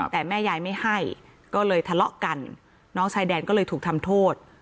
แต่แม่ยายไม่ให้ก็เลยทะเลาะกันน้องชายแดนก็เลยถูกทำโทษ